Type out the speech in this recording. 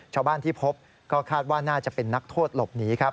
ชาวบ้านที่พบก็คาดว่าน่าจะเป็นนักโทษหลบหนีครับ